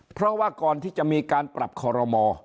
เพราะว่าก่อนที่จะมีการปรับคอรมอ